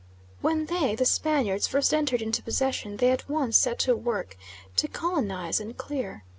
When they, the Spaniards, first entered into possession they at once set to work to colonise and clear.